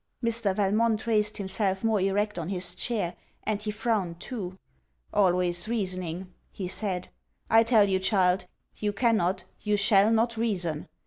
Mr. Valmont raised himself more erect on his chair; and he frowned too. 'Always reasoning,' he said: 'I tell you, child, you cannot, you shall not reason.